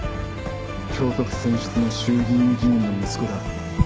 京都府選出の衆議院議員の息子だ